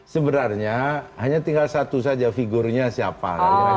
sebenarnya hanya tinggal satu saja figurnya siapa